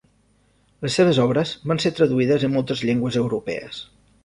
Les seves obres van ser traduïdes en moltes llengües europees.